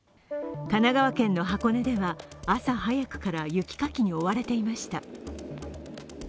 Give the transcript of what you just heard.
神奈川県の箱根では朝早くから雪かきに追われていました。